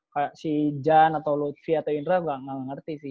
kayak si jan atau lutfi atau indra gak ngerti sih